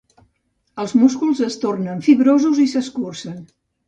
Els músculs es tornen fibrosos i s'escurcen.